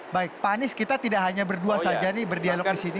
baik pak anies kita tidak hanya berdua saja nih berdialog di sini